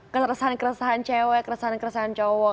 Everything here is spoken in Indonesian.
keresahan keresahan cewek keresahan keresahan cowok